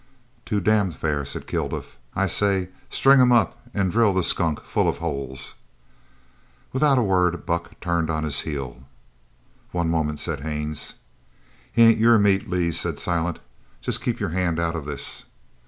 "Too damned fair," said Kilduff. "I say: String him up an' drill the skunk full of holes." Without a word Buck turned on his heel. "One moment," said Haines. "He ain't your meat, Lee," said Silent. "Jest keep your hand out of this."